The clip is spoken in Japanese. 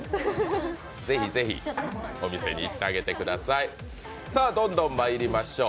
ぜひぜひお店に行ってあげてください。